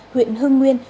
huyện hương nguyên